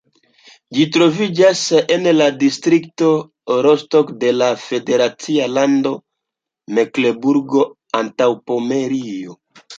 Ĝi troviĝas en la distrikto Rostock de la federacia lando Meklenburgo-Antaŭpomerio.